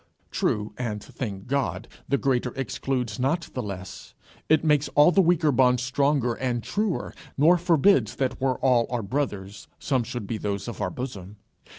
True, and thank God! the greater excludes not the less; it makes all the weaker bonds stronger and truer, nor forbids that where all are brothers, some should be those of our bosom.